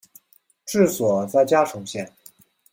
治所在嘉诚县。